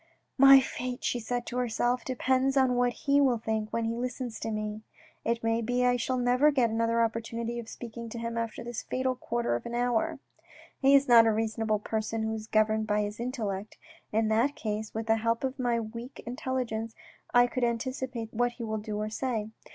" My fate," she said to herself, " depends on what he will think when he listens to me. It may be I shall never get another opportunity of speaking to him after this fatal quarter of an hour. He is not a reasonable person who is governed by his intellect. In that case, with the help of my weak intelligence, I could anticipate what he will do or say.